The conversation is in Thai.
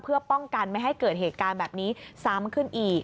เพื่อป้องกันไม่ให้เกิดเหตุการณ์แบบนี้ซ้ำขึ้นอีก